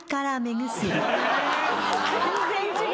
全然違う。